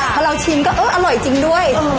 พอเราชิมก็เอออร่อยจริงด้วย